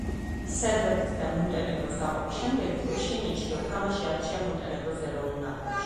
სერბეთის და მონტენეგროს გაყოფის შემდეგ ვუჩინიჩმა თამაში არჩია მონტენეგროს ეროვნულ ნაკრებში.